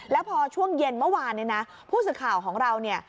แล้วพอช่วงเย็นเมื่อวานผู้สื่อข่าวของเรา